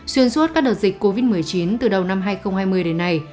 xuyên suốt các đợt dịch covid một mươi chín từ đầu năm hai nghìn hai mươi đến nay